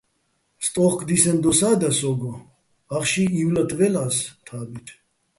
სტო́უხკო̆ დისენო̆ დოსა́ და სო́გო, ახში ივლათ ვაჲლ'ას თა́ბით.